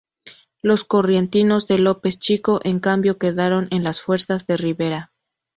Los correntinos de López Chico, en cambio, quedaron en las fuerzas de Rivera.